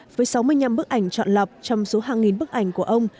với sáu mươi năm bức ảnh chọn lọc trong số hàng nghìn bức ảnh của ông